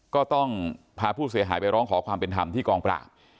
ก็ต้องพาผู้เสียหายไปร้องขอความเป็นธรรมที่กองปราบ